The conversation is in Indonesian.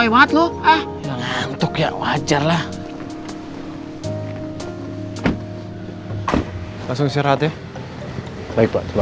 kalau sekarang mungkin mereka lagi panik juga